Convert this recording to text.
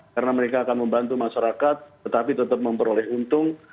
karena mereka akan membantu masyarakat tetapi tetap memperoleh untung